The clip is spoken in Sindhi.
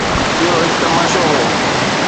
اهو هڪ تماشو هو.